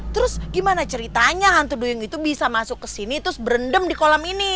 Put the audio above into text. terus gimana ceritanya hantu duyung itu bisa masuk ke sini terus berendam di kolam ini